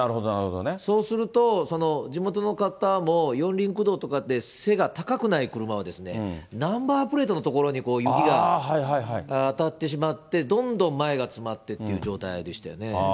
そうすると、その地元の方も四輪駆動とかで背が高くない車とかは、ナンバープレートの所に雪が当たってしまって、どんどん前が詰まってっていう状態でしたよね。